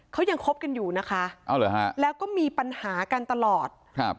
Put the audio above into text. เขายังคบกันอยู่นะคะเอาเหรอฮะแล้วก็มีปัญหากันตลอดครับ